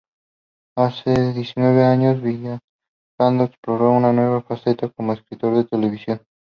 Hace diecinueve años, Villalpando explotó una nueva faceta como escritor de televisión.